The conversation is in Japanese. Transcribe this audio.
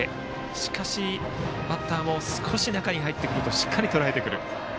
しかし、バッターも少し中に入ってくるとしっかりとらえてくる。